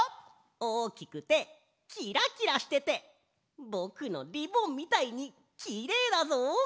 おおきくてキラキラしててぼくのリボンみたいにきれいだぞ！